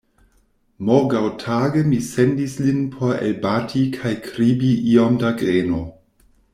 Morgaŭtage mi sendis lin por elbati kaj kribri iom da greno.